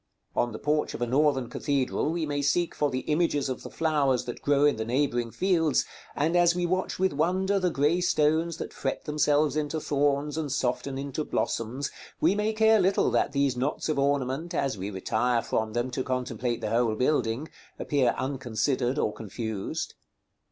On the porch of a Northern cathedral we may seek for the images of the flowers that grow in the neighboring fields, and as we watch with wonder the grey stones that fret themselves into thorns, and soften into blossoms, we may care little that these knots of ornament, as we retire from them to contemplate the whole building, appear unconsidered or confused.